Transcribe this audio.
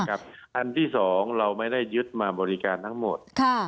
อันที่๒เราไม่ได้ยึดมาบริการทั้งหมด